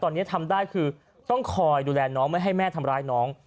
ตอนนี้ทำได้คือต้องคอยดูแลน้องไม่ให้แม่ทำร้ายน้อง